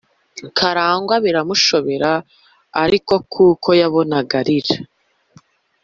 Karangwa biramushobera ariko kuko yabonagaarira